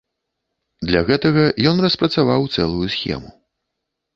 Для гэтага ён распрацаваў цэлую схему.